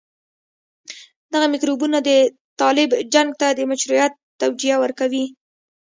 دغه میکروبونه د طالب جنګ ته د مشروعيت توجيه ورکوي.